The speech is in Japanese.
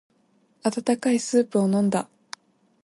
温かいスープを飲んだ。